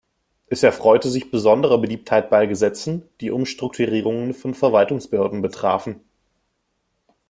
Es erfreute sich besonderer Beliebtheit bei Gesetzen, die Umstrukturierungen von Verwaltungsbehörden betrafen.